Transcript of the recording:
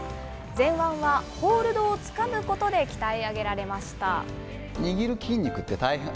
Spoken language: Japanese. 前腕はホールドをつかむことで鍛え上げられました。